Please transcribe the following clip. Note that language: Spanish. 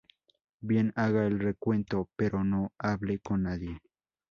bien, haga el recuento, pero no hable con nadie.